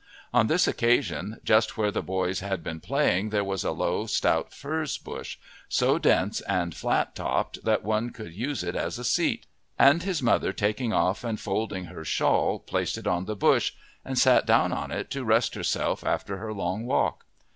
On this occasion just where the boys had been playing there was a low, stout furze bush, so dense and flat topped that one could use it as a seat, and his mother taking off and folding her shawl placed it on the bush, and sat down on it to rest herself after her long walk.